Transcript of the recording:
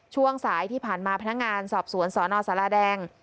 ช่วงสายที่ผ่านมาพนักงานสอบสวนสนสาราแดง